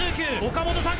岡本さん